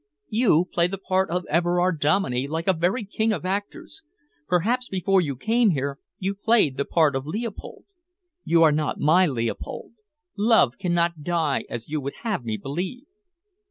You play the part of Everard Dominey like a very king of actors. Perhaps before you came here you played the part of Leopold. You are not my Leopold. Love cannot die as you would have me believe."